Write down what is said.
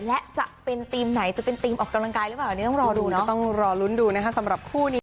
แต่ว่าส่วนใหญ่ก็อันไหนที่แบบเอ้ยเรื่องนี้ให้พี่ตูนดูแลแล้วก็แยกกัน